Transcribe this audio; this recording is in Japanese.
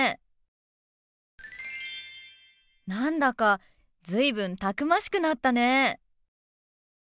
何だか随分たくましくなったね。